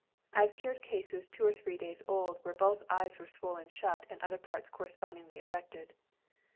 I have cured cases two or three days old, p . where both eyes were swollen shut and other parts correspondingly affected.